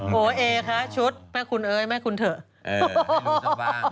โอ้โหเอคะชุดม่ะคุณเธอครับ